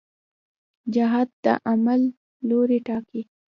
جهت د عمل لوری ټاکي.